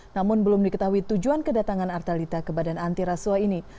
namun belum diketahui tujuan kedatangan artalita ke badan anti rasuah ini